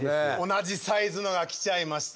同じサイズのが来ちゃいました。